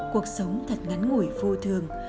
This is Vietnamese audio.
cuộc sống thật ngắn ngủi vô thường